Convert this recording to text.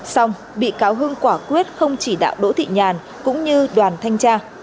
xong bị cáo hưng quả quyết không chỉ đạo đỗ thị nhàn cũng như đoàn thanh tra